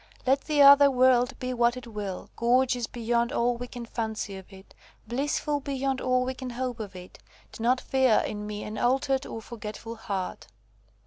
Let the other world be what it will, gorgeous beyond all we can fancy of it, blissful beyond all we can hope of it, do not fear in me an altered or forgetful heart.